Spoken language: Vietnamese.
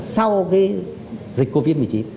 sau cái dịch covid một mươi chín